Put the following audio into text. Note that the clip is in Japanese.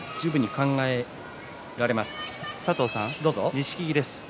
錦木です。